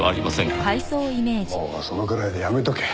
もうそのぐらいでやめとけ。